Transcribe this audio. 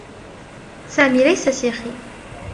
سامي ليس سيخي.